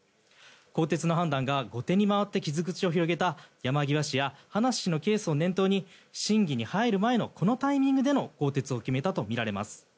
更迭の判断が後手に回って傷口を広げた山際氏や葉梨氏のケースを念頭に審議に入る前のこのタイミングでの更迭を決めたとみられます。